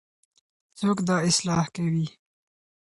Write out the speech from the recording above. څوک دا اصلاح کوي؟